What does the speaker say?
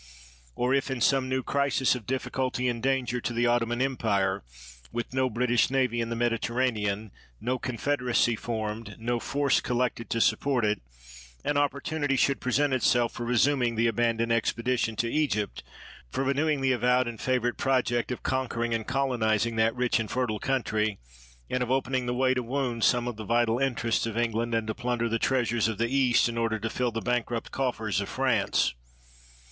Or if, in some new crisis of difficult}'' and danger to the Ottoman empire, with no British navy in the Mediterra nean, no confederacy formed, no force collected to support it, an opportunity should present it self for resuming the abandoned expedition to Egypt, for renewing the avowed and favorite project of conquering and colonizing that rich and fertile country, and of opening the way to wound some of the vital interests of England and to plunder the treasures of the East in order to fill the bankrupt coffers of France?